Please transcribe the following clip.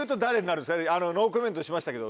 ノーコメントにしましたけど。